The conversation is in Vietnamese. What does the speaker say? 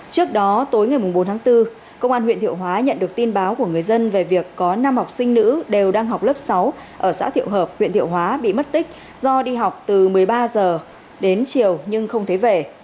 trước đó tối ngày bốn tháng bốn công an huyện thiệu hóa nhận được tin báo của người dân về việc có năm học sinh nữ đều đang học lớp sáu ở xã thiệu hợp huyện thiệu hóa bị mất tích do đi học từ một mươi ba h đến chiều nhưng không thấy về